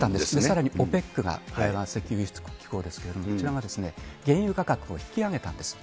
さらにＯＰＥＣが石油輸出国機構ですけれども、こちらが原油価格を引き上げたんです。